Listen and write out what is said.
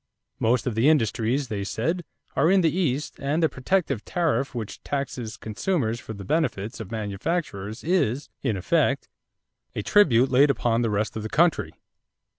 Most of the industries, they said, are in the East and the protective tariff which taxes consumers for the benefit of manufacturers is, in effect, a tribute laid upon the rest of the country.